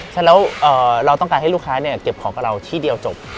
ฉะนั้นเราต้องการให้ลูกค้าเก็บของกับเราที่เดียวจบ